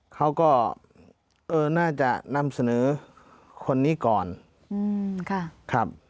เขาก็เออน่าจะนำเสนอคนนี้ก่อนครับ